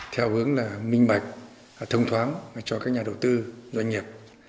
theo hướng là minh bạch thông thoáng cho các nhà đầu tư doanh nghiệp